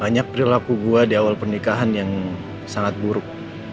banyak perilaku gua di awal pernikahan yang sangat buruk